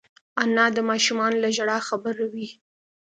انا د ماشومانو له ژړا خبروي